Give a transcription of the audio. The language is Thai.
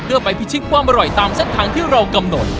เพื่อไปพิชิตความอร่อยตามเส้นทางที่เรากำหนด